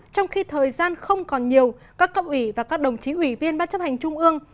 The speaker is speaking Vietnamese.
trong khi thời gian không còn nhiều các cộng ủy và các đồng chí ủy viên bác chấp hành trung ương